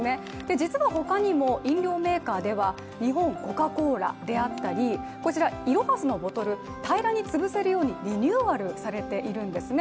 実は他にも飲料メーカーでは日本コカ・コーラであったりい・ろ・は・すのボトル、平らにつぶせるようにリニューアルされているんですね。